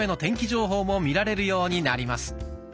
情報も見られるようになります。